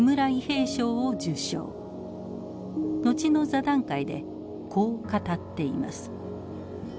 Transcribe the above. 後の座談会でこう語っています。